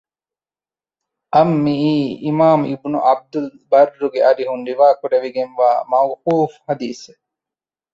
އަށް މިއީ އިމާމު އިބްނު ޢަބްދުލްބައްރުގެ އަރިހުން ރިވާކުރެވިގެންވާ މައުޤޫފު ޙަދީޘެއް